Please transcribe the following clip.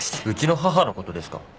うちの母のことですか？